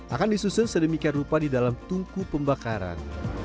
akan disusun sedemikian rupa di dalam tungku pembakaran